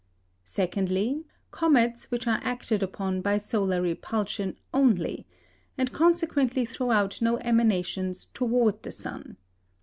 Secondly, comets which are acted upon by solar repulsion only, and consequently throw out no emanations towards the sun.